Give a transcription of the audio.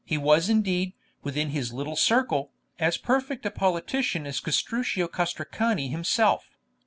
He was indeed, within his little circle, as perfect a politician as Castruccio Castracani himself.